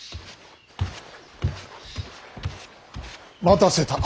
待たせた。